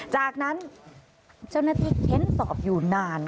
จากนั้นเจ้าหน้าที่เค้นสอบอยู่นาน